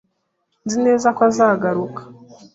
Nzi neza ko azagaruka.